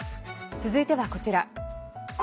続いてはこちら。